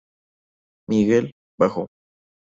Miguel: bajo.